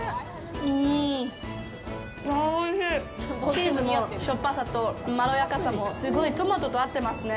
チーズのしょっぱさとまろやかさもすごいトマトと合ってますね。